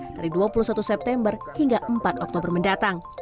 dari dua puluh satu september hingga empat oktober mendatang